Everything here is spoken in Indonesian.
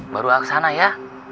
baru ya kesana ya